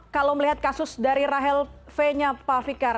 kalau melihat kasus dari rahel v nya pak fikar